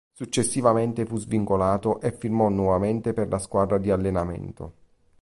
Successivamente fu svincolato e firmò nuovamente per la squadra di allenamento.